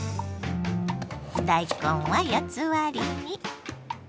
大根は４つ割りに。